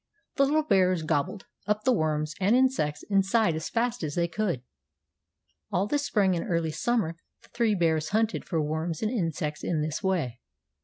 The little bears gobbled up the worms and insects inside as fast as they could. All the spring and early summer the three bears hunted for worms and insects in this way.